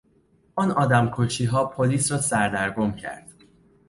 آن آدمکشیها پلیس را سردرگم کرد.